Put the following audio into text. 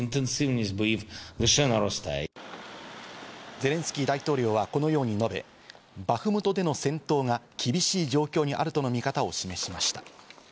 ゼレンスキー大統領はこのように述べ、バフムトでの戦闘が厳しい状況にあるとの見方を示しました。